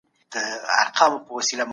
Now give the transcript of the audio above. خپل مالونه په حرامو لارو مه ضایع کوئ.